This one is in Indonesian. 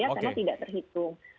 karena tidak terhitung